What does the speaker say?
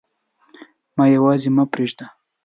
ما یواځي مه پریږده